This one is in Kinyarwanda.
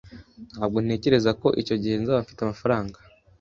Ntabwo ntekereza ko icyo gihe nzaba mfite amafaranga.